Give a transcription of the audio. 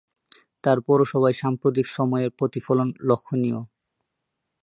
তার পৌভায় সাম্প্রতিক সময়ের প্রতিফলন লক্ষ্যণীয়।